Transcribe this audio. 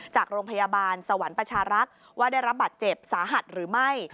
จากโรงพยาบาลสวรรค์ประชารักษ์ว่าได้รับบาดเจ็บสาหัสหรือไม่